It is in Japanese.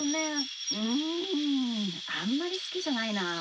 うんあんまりすきじゃないな。